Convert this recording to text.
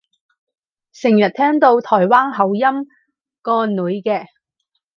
成日聽到台灣口音個女嘅